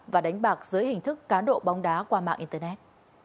và đánh bạc dưới hình thức cá độ bóng đá qua mạng internet